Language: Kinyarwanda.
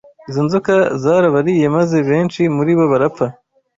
Izo nzoka zarabariye maze benshi muri bo barapfa